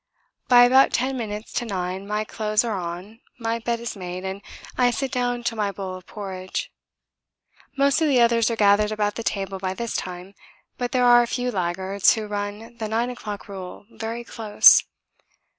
By about ten minutes to 9 my clothes are on, my bed is made, and I sit down to my bowl of porridge; most of the others are gathered about the table by this time, but there are a few laggards who run the nine o'clock rule very close.